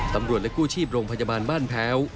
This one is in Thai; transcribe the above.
ตำรวจและกู้ชีพโรงพยาบาลบ้านแพ้ว